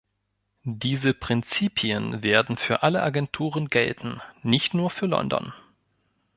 Diese Prinzipien werden für alle Agenturen gelten, nicht nur für London.